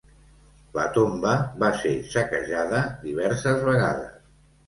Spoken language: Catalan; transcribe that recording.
La tomba va ser saquejada diverses vegades.